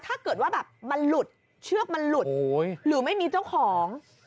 ถ้าเกิดว่าแบบมันหลุดเชือกมันหลุดหรือไม่มีเจ้าของ